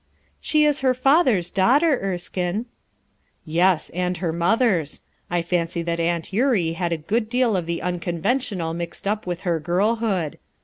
"She is her father's daughter, Erskine." "Yes, and her mother's. I fancy that Aunt Eurie had a good deal of the unconventional mixed up with her girlhood.